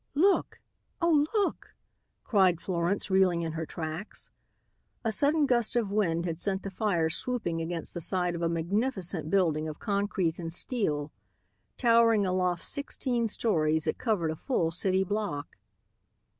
"Look! Oh, look!" cried Florence, reeling in her tracks. A sudden gust of wind had sent the fire swooping against the side of a magnificent building of concrete and steel. Towering aloft sixteen stories, it covered a full city block.